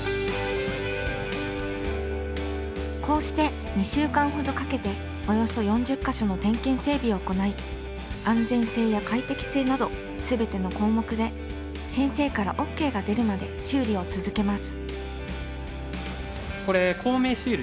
こうして２週間ほどかけておよそ４０か所の点検整備を行い安全性や快適性など全ての項目で先生からＯＫが出るまで修理を続けます。